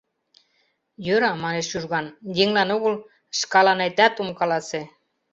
— Йӧра, — манеш Чужган, — еҥлан огыл, шкаланетат ом каласе.